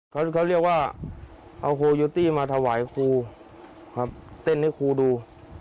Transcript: เขาเรียกว่าเอาโคโยตี้มาถวายครูครับเต้นให้ครูดู